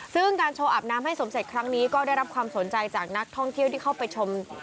ซึ่งการโชว์อาบน้ำให้สมเสร็จครั้งนี้ก็ได้รับความสนใจจากนักท่องเที่ยวที่เข้าไปชม